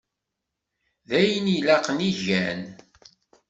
D ayen ilaqen i gan.